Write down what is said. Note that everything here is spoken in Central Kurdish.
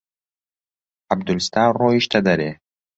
عەبدولستار ڕۆیشتە دەرێ.